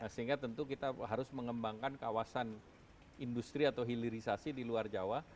sehingga tentu kita harus mengembangkan kawasan industri atau hilirisasi di luar jawa